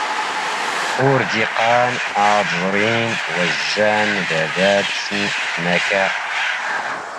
ⵓⵔ ⴷ ⵉⵇⵇⴰⵏ ⴰⴷ ⵥⵕⵉⵏ ⵡⴰⵣⵣⴰⵏⵏ ⴱⴰⴱⴰⵜⵙⵏ ⵎⴽⴰ.